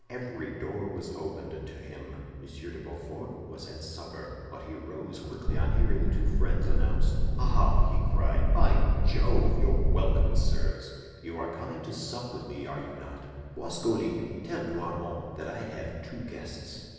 Every door was opened to him. Monsieur de Beaufort was at supper, but he rose quickly on hearing the two friends announced. "Ah!" he cried, "by Jove! you're welcome, sirs. You are coming to sup with me, are you not? Boisgoli, tell Noirmont that I have two guests.